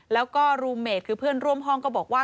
แล้วก็รูเมดคือเพื่อนร่วมห้องก็บอกว่า